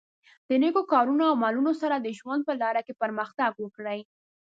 د نېکو کارونو او عملونو سره د ژوند په لاره کې پرمختګ وکړئ.